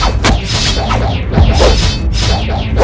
mejor tanpa dukungan